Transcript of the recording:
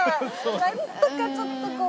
何とかちょっとこう。